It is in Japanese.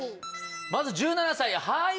まず１７歳はい！